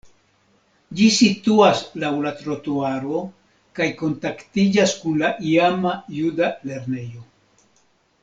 Ĝi situas laŭ la trotuaro kaj kontaktiĝas kun la iama juda lernejo.